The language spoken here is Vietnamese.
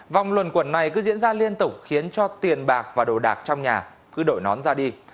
vòng luận quần này cứ diễn ra liên tục khiến cho tiền bạc và đồ đạc trong nhà cứ đổi nón ra đi